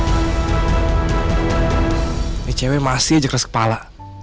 ini cewek masih aja keras kepala